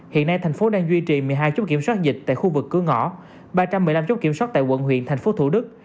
hiện nay tp hcm đang duy trì một mươi hai chốt kiểm soát dịch tại khu vực cứa ngõ ba trăm một mươi năm chốt kiểm soát tại quận huyện tp thủ đức